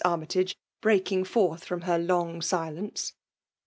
Aimytage, loeaking forth from hex long olence.